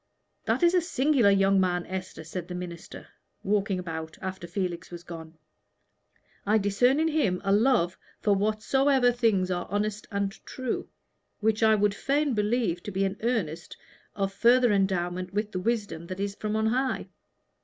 "That is a singular young man, Esther," said the minister, walking about after Felix was gone. "I discern in him a love for whatsoever things are honest and true, which I would fain believe to be an earnest of further endowment with the wisdom that is from on high.